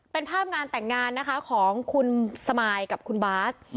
เป็นภาพงานแต่งงานนะคะของคุณสมายกับคุณบาส